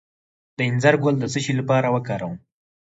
د انځر ګل د څه لپاره وکاروم؟